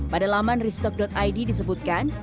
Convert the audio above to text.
pada laman ristok id disebutkan